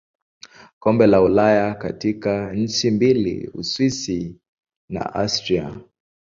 Kombe la Ulaya katika nchi mbili Uswisi na Austria.